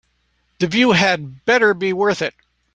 The view had better be worth it.